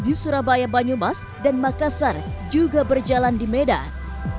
di surabaya banyumas dan makassar juga berjalan di medan